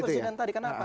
ke presidenan tadi kenapa